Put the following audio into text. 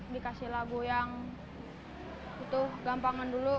dikasih lagu yang gampangan dulu